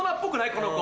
この子。